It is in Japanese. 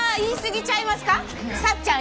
さっちゃん